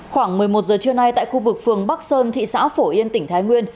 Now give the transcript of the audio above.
khoảng một mươi một giờ trưa nay tại khu vực phường bắc sơn thị xã phổ yên tỉnh thái nguyên